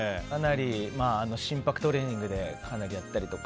心拍トレーニングでかなりやったりとか。